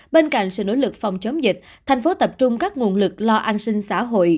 bên cạnh sự nỗ lực phòng chống dịch thành phố tập trung các nguồn lực lo an sinh xã hội